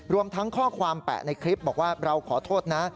รวมทั้งข้อความแปะในคลิปบอกว่าเราขอโทษนะ